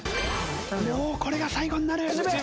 もうこれが最後になる。